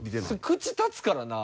口立つからな。